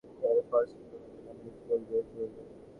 এর ফল শীঘ্র বা বিলম্বে ফলবেই ফলবে।